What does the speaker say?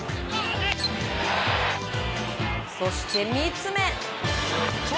そして、３つ目。